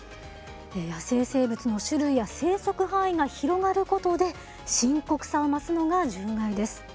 野生生物の種類や生息範囲が広がることで深刻さを増すのが獣害です。